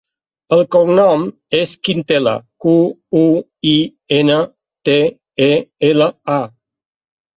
El cognom és Quintela: cu, u, i, ena, te, e, ela, a.